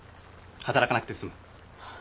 働かなくて済む。